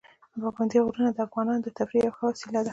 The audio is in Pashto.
پابندي غرونه د افغانانو د تفریح یوه ښه وسیله ده.